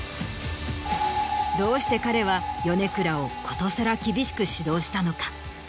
どうして彼は米倉をことさら厳しく指導したのか。